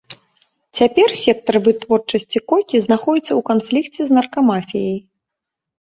Цяпер сектар вытворчасці кокі знаходзіцца ў канфлікце з наркамафіяй.